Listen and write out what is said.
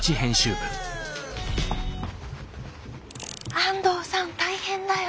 安藤さん大変だよ。